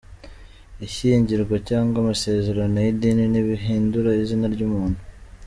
Ishyingirwa cyangwa amasezerano y’idini ntibihindura izina ry’umuntu.